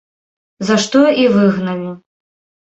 За што і выгналі.